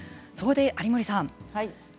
そこで有森さん